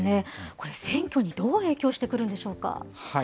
これ、選挙にどう影響してくるんでしょうか。